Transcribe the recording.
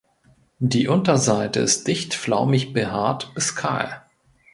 Die Unterseite ist dicht flaumig behaart bis kahl.